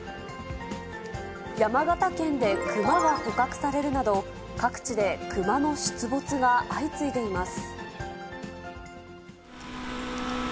山形県でクマが捕獲されるなど、各地でクマの出没が相次いでいます。